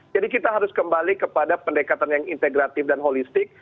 jadi kita harus kembali kepada pendekatan yang integratif dan holistik